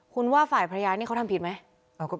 คุณว่าฝ่ายภรรยานี่เขาทำผิดไหม